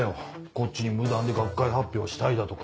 こっちに無断で学会発表したいだとか。